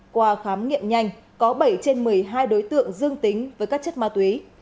qua khám nghiệm nhanh có bảy trên một mươi hai đối tượng dương tính với các chất ma túy